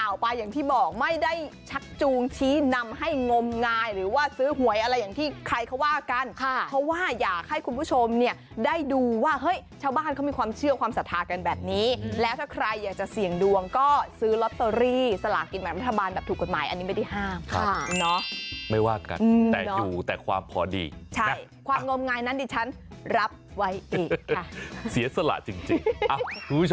เอาไปอย่างที่บอกไม่ได้ชักจูงชี้นำให้งมงายหรือว่าซื้อหวยอะไรอย่างที่ใครเขาว่ากันค่ะเพราะว่าอยากให้คุณผู้ชมเนี่ยได้ดูว่าเฮ้ยชาวบ้านเขามีความเชื่อความศรัทธากันแบบนี้แล้วถ้าใครอยากจะเสี่ยงดวงก็ซื้อลอตเตอรี่สลากินแบบรัฐบาลแบบถูกกฎหมายอันนี้ไม่ได้ห้ามค่ะเนาะไม่ว่ากันแต่อยู่แต่ความพอดีใช่ความงมงายนั้นดิฉันรับไว้อีกเสียสละจริง